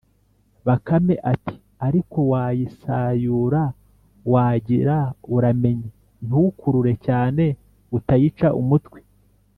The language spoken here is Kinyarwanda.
bakame ati: "Ariko wayisayura wagira, uramenye ntukurure cyane utayica umutwe"